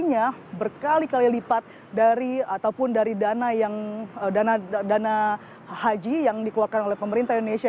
hanya berkali kali lipat dari ataupun dari dana haji yang dikeluarkan oleh pemerintah indonesia